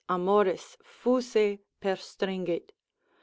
amoris fuse perstringit.